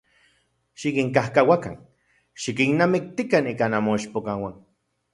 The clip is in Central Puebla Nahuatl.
Xikinkajkauakan, xikinnamiktikan ika nanmoichpokauan.